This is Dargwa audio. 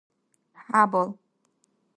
хӀябал